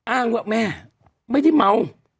อ้างว่าแม่ไม่ได้เมา